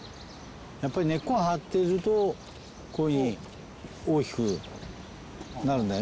やっぱり根っこが張ってるとこういうふうに大きくなるんだよね。